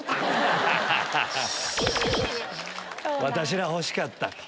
「私ら欲しかった」。